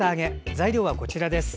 材料はこちらです。